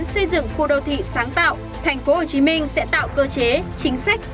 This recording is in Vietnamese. xây dựng khu đô thị sáng tạo thành phố hồ chí minh sẽ tạo cơ chế chính sách